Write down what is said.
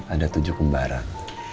ada tujuh kembaran